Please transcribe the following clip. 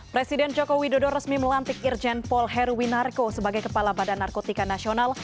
presiden joko widodo resmi melantik irjen paul heruwinarko sebagai kepala badan narkotika nasional